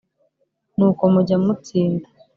N'uko mujya mutsinda